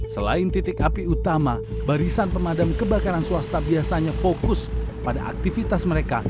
selain titik api utama barisan pemadam kebakaran swasta biasanya fokus pada aktivitas mereka